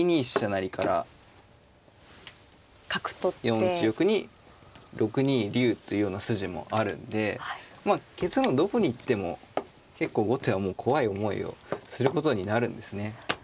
４一玉に６二竜というような筋もあるんでまあ結論どこに行っても結構後手は怖い思いをすることになるんですね。